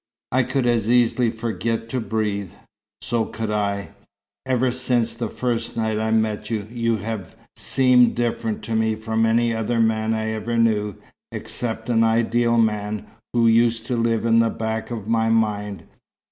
"I could as easily forget to breathe." "So could I. Ever since the first night I met you, you have seemed different to me from any other man I ever knew, except an ideal man who used to live in the back of my mind.